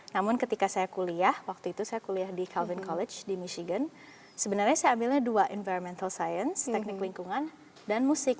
namun ketika saya kuliah waktu itu saya kuliah di carvin college di michigan sebenarnya saya ambilnya dua environmental science teknik lingkungan dan musik